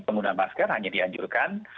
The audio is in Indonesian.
penggunaan masker hanya dianjurkan